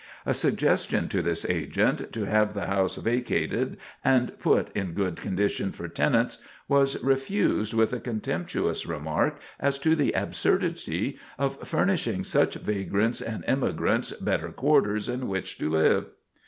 A suggestion to this agent, to have the house vacated and put in good condition for tenants, was refused with a contemptuous remark as to the absurdity of furnishing such vagrants and immigrants better quarters in which to live.